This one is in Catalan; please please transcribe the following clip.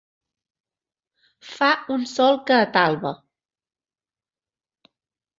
Fa un sol que atalba.